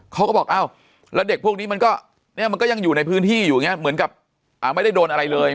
เขาก็บอกอ้าวแล้วเด็กพวกนี้มันก็เนี่ยมันก็ยังอยู่ในพื้นที่อยู่อย่างนี้เหมือนกับไม่ได้โดนอะไรเลย